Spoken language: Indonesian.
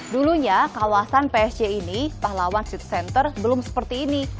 dulunya kawasan psj ini pahlawan seat center belum seperti ini